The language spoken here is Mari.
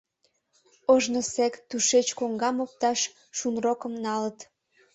Ожнысек тушеч коҥгам опташ шунрокым налыт.